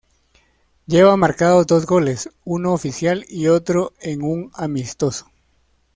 Lleva marcados dos goles, uno oficial y otro en un amistoso.